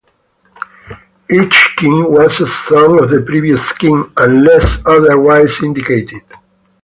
Each king was a son of the previous king, unless otherwise indicated.